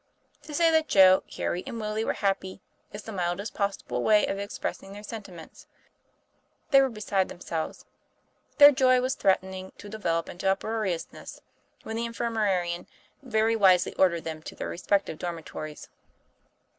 To say that Joe, Harry, and Willie were happy, is the mildest possible way of expressing their senti ments; they were beside themselves. Their joy was threatening to develop into uproariousness, when the infirmarian very wisely ordered them to their respective dormitories.